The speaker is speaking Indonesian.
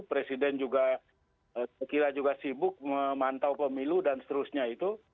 presiden juga saya kira juga sibuk memantau pemilu dan seterusnya itu